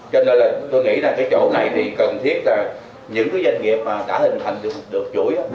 cho nên là tôi nghĩ là cái chỗ này thì cần thiết là những cái doanh nghiệp mà đã hình thành được chuỗi